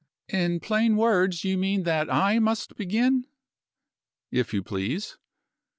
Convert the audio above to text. "In plain words, you mean that I must begin?" "If you please."